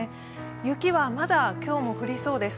雪はまだ今日も降りそうです。